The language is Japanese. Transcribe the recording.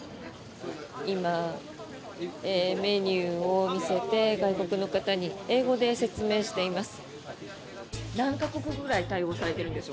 今、メニューを見せて外国の方に英語で説明しています。